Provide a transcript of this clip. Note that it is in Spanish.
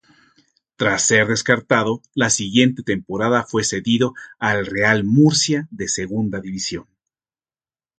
Tras ser descartado, la siguiente temporada fue cedido al Real Murcia de Segunda División.